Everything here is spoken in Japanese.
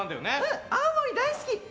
青森大好き！